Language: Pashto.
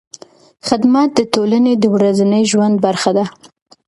خدمت د ټولنې د ورځني ژوند برخه ده.